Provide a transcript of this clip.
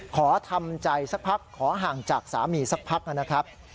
ขอทำใจสักพักขอห่างจากสามีสักพักนะครับ